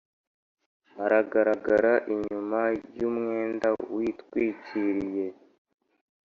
aragaragara inyuma y’umwenda witwikiriye.